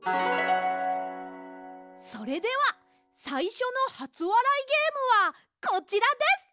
それではさいしょのはつわらいゲームはこちらです！